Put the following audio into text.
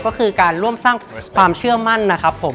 ก็คือการร่วมสร้างความเชื่อมั่นนะครับผม